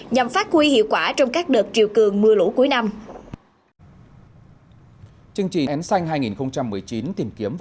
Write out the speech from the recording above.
nhằm phát huy hiệu quả trong các đợt chiều cường mưa lũ cuối năm